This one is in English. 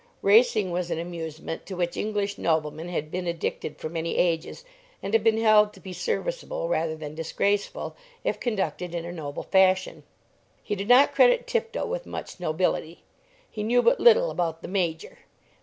Racing was an amusement to which English noblemen had been addicted for many ages, and had been held to be serviceable rather than disgraceful, if conducted in a noble fashion. He did not credit Tifto with much nobility. He knew but little about the Major.